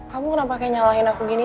kamu kenapa kayak nyalahin aku gini